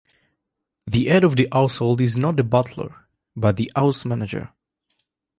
The head of the household is not the butler, but the house manager.